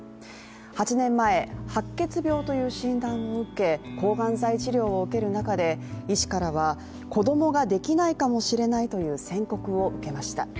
８年前、白血病という診断を受け抗がん剤治療を受ける中で、医師からは子供ができないかもしれないという宣告を受けました。